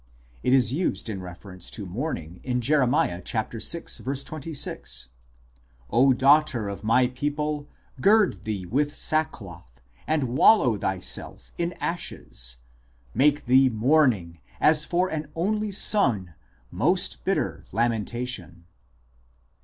It is used in refer ence to mourning in Jer. vi. 26 : "0 daughter of my people, gird thee with sackcloth, and wallow thyself in ashes : make thee mourning, as for an only son, most bitter lamentation."